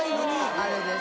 あれです。